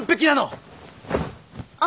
あ。